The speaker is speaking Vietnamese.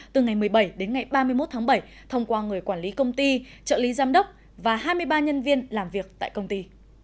từ ngày một mươi bảy đến ngày ba mươi một tháng bảy thông qua người quản lý công ty trợ lý giám đốc và hai mươi ba nhân viên làm việc tại công ty